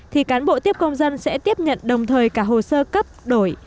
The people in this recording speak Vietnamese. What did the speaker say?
thì cán bộ tiếp công dân sẽ tiếp nhận đồng thời cả hồ sơ cấp đổi